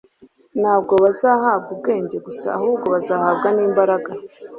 Ntabwo bazahabwa ubwenge gusa, ahubwo bazahabwa n'imbaraga.